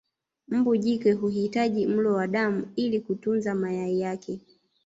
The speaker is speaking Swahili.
Mbu jike huhitaji mlo wa damu ili kutunza mayai yake